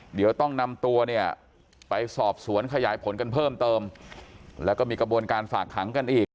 เดี๋ยวต้องนำตัวเนี่ยไปสอบสวนขยายผลกันเพิ่มเติมแล้วก็มีกระบวนการฝากขังกันอีก